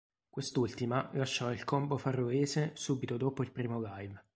Quest'ultima lasciò il combo faroese subito dopo il primo live.